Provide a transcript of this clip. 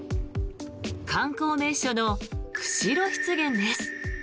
観光名所の釧路湿原です。